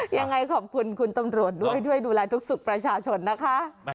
ยังไงขอบคุณคุณตำรวรด้วยดูลายทุกสุขประชาชนนะ